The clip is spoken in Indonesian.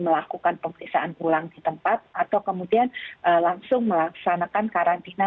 melakukan pemeriksaan ulang di tempat atau kemudian langsung melaksanakan karantina